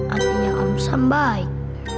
akhirnya om sam baik